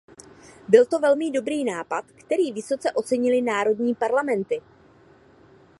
Byl to velmi dobrý nápad, který vysoce ocenily národní parlamenty.